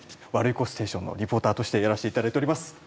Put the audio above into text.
「ワルイコステーション」のリポーターとしてやらせていただいております。